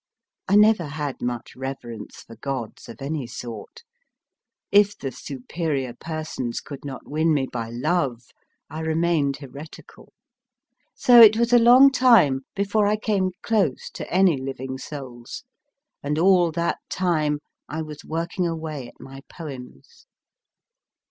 I never had much reverence for gods of any sort ; if the superior per sons could not win me by love, I re mained heretical. So it was a long time before I came close to any living souls, and all that time I was working o away at my poems.